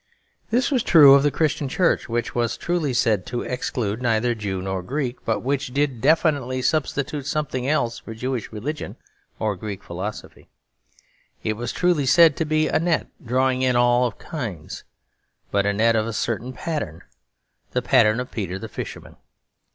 This was true of the Christian Church, which was truly said to exclude neither Jew nor Greek, but which did definitely substitute something else for Jewish religion or Greek philosophy. It was truly said to be a net drawing in of all kinds; but a net of a certain pattern, the pattern of Peter the Fisherman.